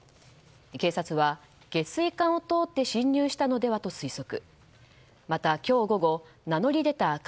警察は、下水管を通って侵入したのではと推測。